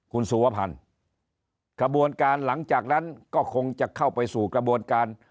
คุณสุวพันธ์กระบวนการหลังจากนั้นก็คงจะเข้าไปสู่กระบวนการ